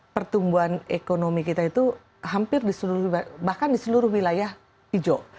pertumbuhan ekonomi kita itu hampir di seluruh bahkan di seluruh wilayah hijau